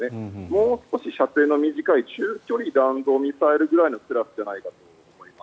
もう少し射程の短い中距離弾道ミサイルぐらいのクラスじゃないかと。